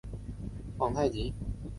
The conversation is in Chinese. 皇太极还吸收了明朝的科举制度。